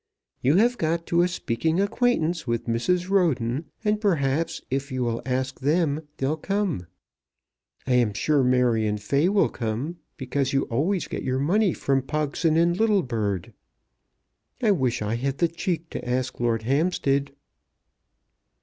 You have got to a speaking acquaintance with Mrs. Roden, and perhaps if you will ask them they'll come. I am sure Marion Fay will come, because you always get your money from Pogson and Littlebird. I wish I had the cheek to ask Lord Hampstead."